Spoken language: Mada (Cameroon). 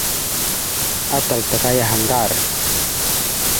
Atal taka yaha ŋgar.